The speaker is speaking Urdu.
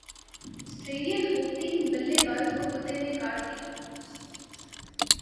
سٹریلین اوپننگ بلے باز کو کتے نے کاٹ لیا